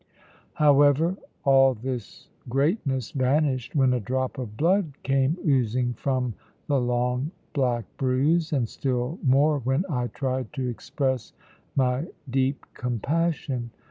However, all this greatness vanished when a drop of blood came oozing from the long black bruise, and still more when I tried to express my deep compassion.